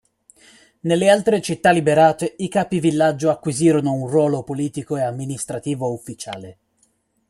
Nelle altre città liberate, i capi villaggio acquisirono un ruolo politico e amministrativo ufficiale.